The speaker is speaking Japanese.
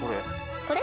これ。